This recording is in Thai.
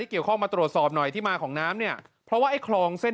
เกี่ยวข้องมาตรวจสอบหน่อยที่มาของน้ำเนี่ยเพราะว่าไอ้คลองเส้น